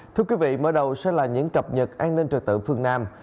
thưa quý vị mở đầu sẽ là những cập nhật an ninh trở tự phương nam